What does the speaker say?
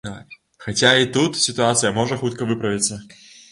Хаця і тут сітуацыя можа хутка выправіцца.